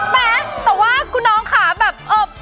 แม่แต่ว่าคุณน้องค่ะแบบ